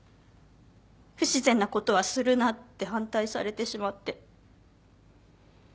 「不自然なことはするな」って反対されてしまって。